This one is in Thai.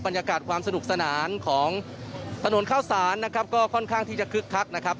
บรรยากาศความสนุกสนานของถนนข้าวสารนะครับก็ค่อนข้างที่จะคึกคักนะครับ